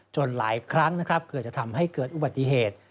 จนหลายครั้งเกิดจะทำให้เกิดอุบัติเหตุ